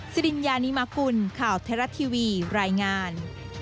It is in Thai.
สิริญญานิมกุลข่าวไทยรัฐทีวีรายงาน